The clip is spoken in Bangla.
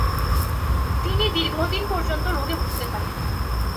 তিনি দীর্ঘদিন পর্যন্ত রোগে ভুগতে থাকেন।